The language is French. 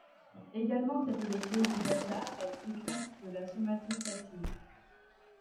Également appelées cellules Delta, elles sécrètent de la somatostatine.